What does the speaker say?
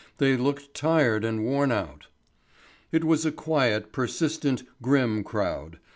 They looked tired and worn out. It was a quiet, persistent, grim crowd.